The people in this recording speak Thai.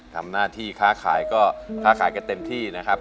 ทำหน้าที่ค้าขายก็เต็มที่นะครับ